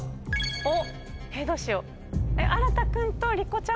おっ！